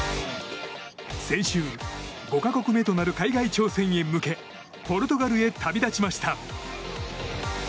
先週、５か国目となる海外挑戦ヘ向けポルトガルへ旅立ちました。